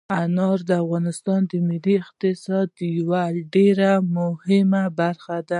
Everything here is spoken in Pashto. انار د افغانستان د ملي اقتصاد یوه ډېره مهمه برخه ده.